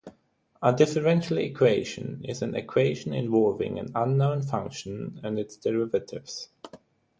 A differential equation is an equation involving an unknown function and its derivatives.